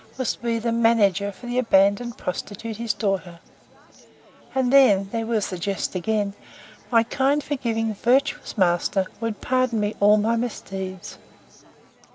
was to be the manager for the abandoned prostitute his daughter: And then, (there was the jest again!) my kind, forgiving, virtuous master, would pardon me all my misdeeds!